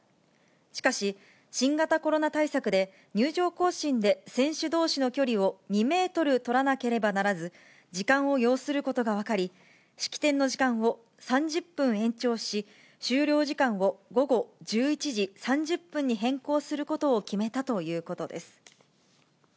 しかし、新型コロナ対策で、入場行進で選手どうしの距離を２メートル取らなければならず、時間を要することが分かり、式典の時間を３０分延長し、終了時間を午後１１時３０分に変更することを決めたということです。